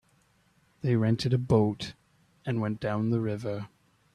They rented a boat and went down the river.